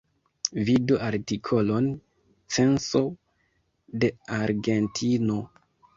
Vidu artikolon Censo de Argentino.